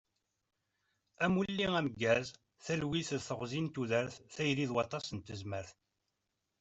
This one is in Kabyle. Amulli ameggaz, talwit d teɣzi n tudert, tayri d waṭas n tezmert.